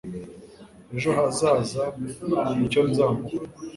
ejo hazaza nicyo nzamuha